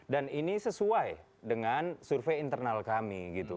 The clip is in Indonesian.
dan ini sesuai dengan survei internal kami gitu